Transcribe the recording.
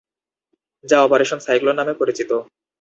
যা operation cyclone নামে পরিচিত।